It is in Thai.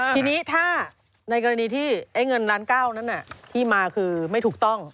ทีนี้ถ้าในกรณีที่เงินล้านเก้านั้นที่มาคือไม่ถูกต้อง